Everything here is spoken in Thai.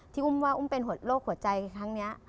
อุ้มว่าอุ้มเป็นโรคหัวใจครั้งนี้